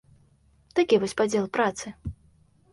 Такі вось падзел працы.